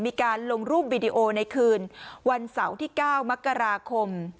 มีการลงรูปวิดีโอในคืนวันเสาร์ที่๙มกราคม